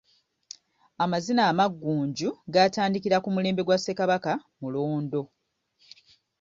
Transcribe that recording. Amazina amaggunju gaatandikira ku mulembe gwa Ssekabaka Mulondo.